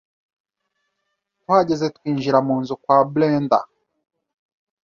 tuhageze twinjira mu nzu kwa Brendah